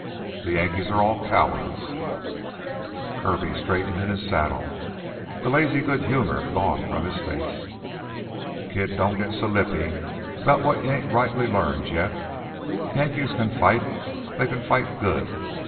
"The Yankees are all cowards " Kirby straightened in his saddle, the lazy good humor gone from his face. "Kid, don't git so lippy 'bout what you ain't rightly learned yet. Yankees can fight they can fight good.